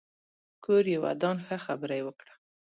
کور يې ودان ښه خبره يې وکړه